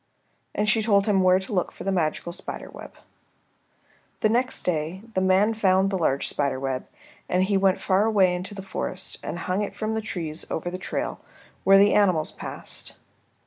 And she told him where to look for the magical spider web. The next day the man found the large spider web, and he went far away into the forest and hung it from the trees over the trail where the animals passed.